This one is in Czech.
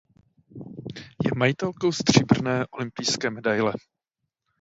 Je majitelkou stříbrné olympijské medaile.